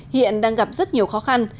hiện đang gặp rất nhiều khó khăn